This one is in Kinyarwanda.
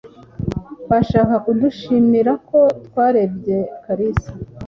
Bashaka kudushimira ko twarebye Kalisa.